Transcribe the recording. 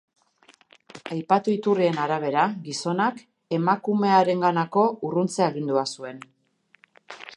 Aipatu iturrien arabera, gizonak emakumearenganako urruntze-agindua zuen.